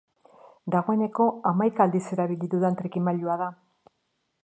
Dagoeneko hamaika aldiz erabili dudan trikimailua da.